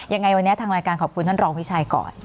ยังไงวันนี้ทางรายการขอบคุณท่านรองวิชัยก่อน